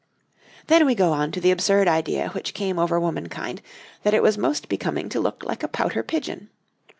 ] Then we go on to the absurd idea which came over womankind that it was most becoming to look like a pouter pigeon.